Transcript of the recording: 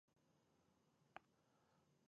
مغز د کوپړۍ په مینځ کې په ډیر خوندي ځای کې پروت دی